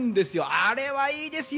あれはいいですよ